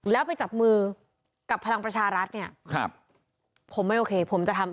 แล้วไปจับมือกับพลังประชารัฐเนี่ยครับผมไม่โอเคผมจะทำ